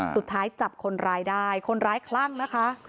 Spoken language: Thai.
สุดท้ายจับคนร้ายได้คนร้ายคลั่งนะคะ